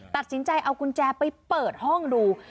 ตัดสินใจเอากุญแจไปเปิดห้องดู